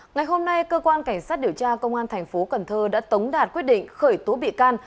ngày hôm nay cơ quan cảnh sát điều tra công an thành phố cần thơ đã tống đạt quyết định khởi tố bị can